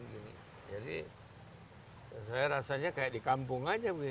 jadi saya rasanya kayak di kampung aja begini